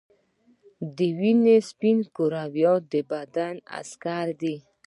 د وینې سپین کرویات د بدن عسکر دي